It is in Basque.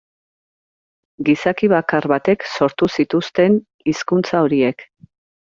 Gizaki bakar batek sortu zituzten hizkuntza horiek.